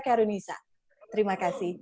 karunisa terima kasih